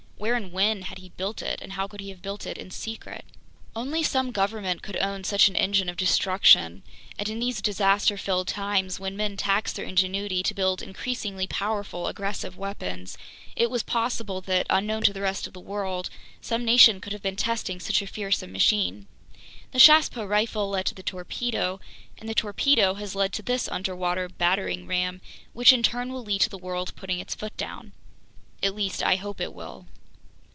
Where and when had he built it, and how could he have built it in secret? Only some government could own such an engine of destruction, and in these disaster filled times, when men tax their ingenuity to build increasingly powerful aggressive weapons, it was possible that, unknown to the rest of the world, some nation could have been testing such a fearsome machine. The Chassepot rifle led to the torpedo, and the torpedo has led to this underwater battering ram, which in turn will lead to the world putting its foot down. At least I hope it will.